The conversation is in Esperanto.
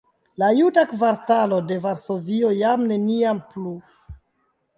La juda kvartalo de Varsovio jam neniam plu!